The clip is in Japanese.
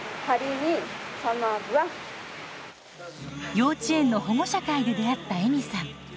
幼稚園の保護者会で出会ったエミさん。